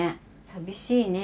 寂しいね。